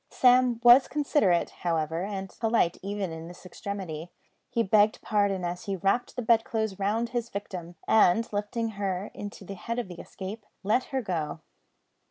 Sam was considerate, however, and polite even in this extremity. He begged pardon as he wrapped the bedclothes round his victim, and lifting her into the head of the escape, let her go.